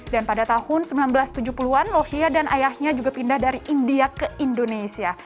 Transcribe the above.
dan pada tahun seribu sembilan ratus tujuh puluh an lohia dan ayahnya juga pindah dari india ke indonesia